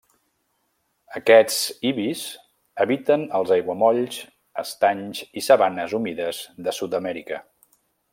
Aquests ibis habiten els aiguamolls, estanys i sabanes humides de Sud-amèrica.